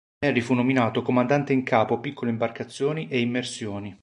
Harry fu nominato "comandante in capo, piccole imbarcazioni e immersioni".